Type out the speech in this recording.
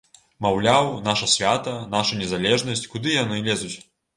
Маўляў, наша свята, наша незалежнасць, куды яны лезуць?